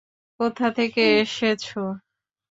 কোথা থেকে এসেছ?